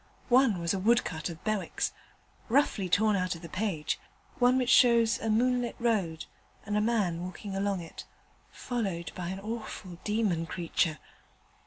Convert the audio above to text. One was a woodcut of Bewick's, roughly torn out of the page: one which shows a moonlit road and a man walking along it, followed by an awful demon creature.